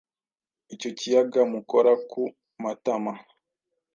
Icyo kiyaga mukora ku matama,